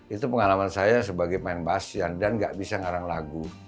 itu pengalaman saya sebagai main basya dan gak bisa ngarang lagu